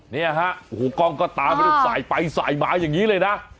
เนี่ยฮะกล้องก็ตามไปสายไปสายหมาอย่างนี้เลยนะ